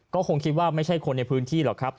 ก็คงคิดว่าไม่ใช่คนในพื้นที่หรอกครับ